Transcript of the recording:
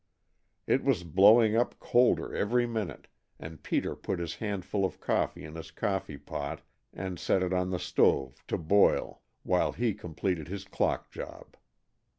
It was blowing up colder every minute and Peter put his handful of coffee in his coffee pot and set it on the stove to boil while he completed his clock job.